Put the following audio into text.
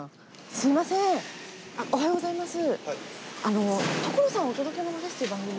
すいませんおはようございます。